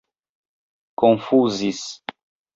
konfuzis